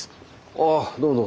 ああどうも。